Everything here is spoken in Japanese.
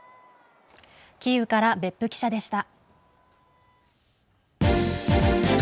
キーウから別府記者でした。